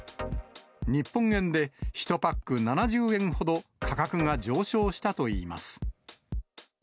日本円で１パック７０円ほど、価格が上昇したといいます。